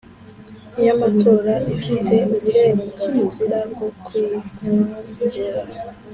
y amatora ifite uburenganzira bwo kwinjira